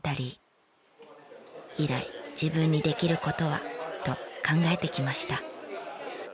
以来自分にできる事はと考えてきました。